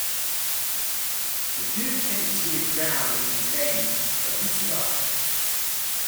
The Duke thinks he is drowned in the Thames, but he survives.